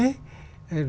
nhưng mà mãi